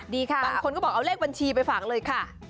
บางคนก็บอกเอาเลขบัญชีไปฝากเลยค่ะ